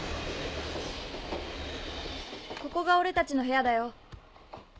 ここがオレたちの部屋だよ。